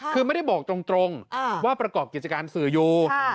คือไม่ได้บอกตรงว่าประกอบกิจการสื่ออยู่